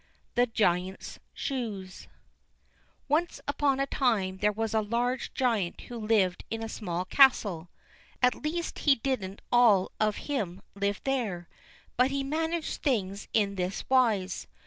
The Giant's Shoes Once upon a time there was a large giant who lived in a small castle; at least he didn't all of him live there, but he managed things in this wise.